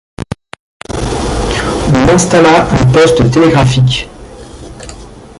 On installa un poste télégraphique.